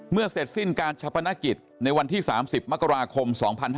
เมื่อเสร็จสิ้นการชะพนกิจในวันที่๓๐มกราคม๒๕๖๒